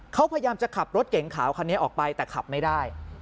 เขาพยายามจะขับรถเก๋งขาวคันนี้ออกไปแต่ขับไม่ได้